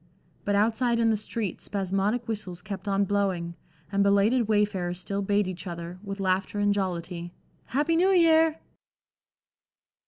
But outside in the street spasmodic whistles kept on blowing, and belated wayfarers still bade each other, with laughter and jollity, "Happy New Year."